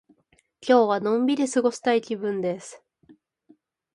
今日はのんびり過ごしたい気分です。